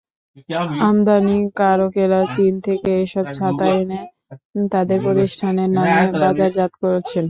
আমদানিকারকেরা চীন থেকে এসব ছাতা এনে তাঁদের প্রতিষ্ঠানের নামে বাজারজাত করছেন।